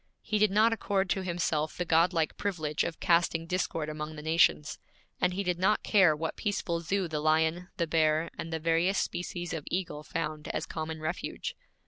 He did not accord to himself the godlike privilege of casting discord among the nations, and he did not care what peaceful zoo the lion, the bear, and the various species of eagle found as common refuge.